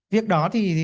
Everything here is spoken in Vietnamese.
việc đó thì